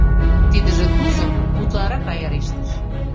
Тидыже Тузым утларак аярештыш.